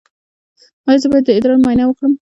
ایا زه باید د ادرار معاینه وکړم؟